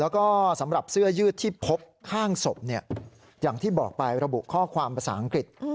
แล้วก็สำหรับเสื้อยืดที่พบข้างศพอย่างที่บอกไประบุข้อความภาษาอังกฤษ